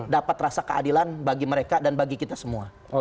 dapat rasa keadilan bagi mereka dan bagi kita semua